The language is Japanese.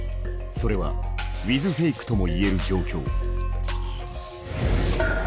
それは“ウィズフェイク”とも言える状況。